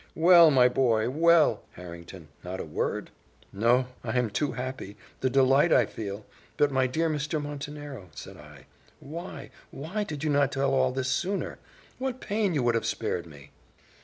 "Well, my boy! well, Harrington! not a word?" "No I am too happy! the delight I feel But, my dear Mr. Montenero," said I, "why why did not you tell all this sooner? What pain you would have spared me!"